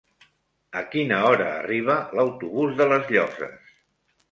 A quina hora arriba l'autobús de les Llosses?